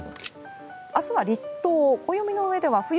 明日は立冬。